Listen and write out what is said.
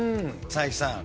才木さん。